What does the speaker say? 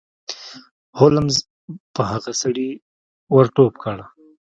هولمز په هغه سړي ور ټوپ کړ.